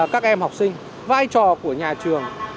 các em học sinh vai trò của nhà trường